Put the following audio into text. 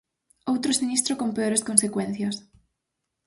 Outro sinistro con peores consecuencias.